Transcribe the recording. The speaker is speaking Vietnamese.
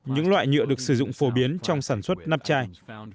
những loại nhựa được sử dụng phổ biến trong sản xuất nắp chai